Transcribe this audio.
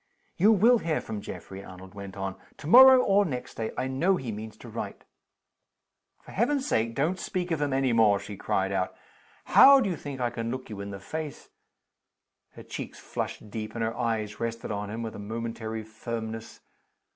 "You will hear from Geoffrey," Arnold went on, "to morrow or next day. I know he means to write." "For Heaven's sake, don't speak of him any more!" she cried out. "How do you think I can look you in the face " Her cheeks flushed deep, and her eyes rested on him with a momentary firmness.